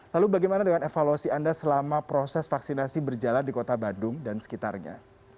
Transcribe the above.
lalu bagaimana dengan evaluasi anda selama proses vaksinasi berjalan di kota bandung dan sekitarnya